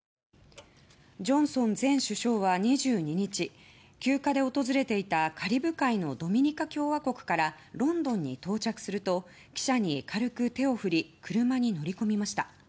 ジョンソン前首相は２２日休暇で訪れていたカリブ海のドミニカ共和国からロンドンに到着すると記者に軽く手を振り車に乗り込みました。